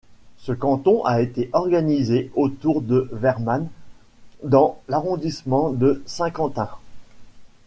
Ce canton a été organisé autour de Vermand dans l'arrondissement de Saint-Quentin.